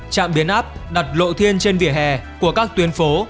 trạm biến áp đặt lộ thiên trên vỉa hè của các tuyến phố